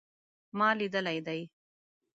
ما لیدلی دی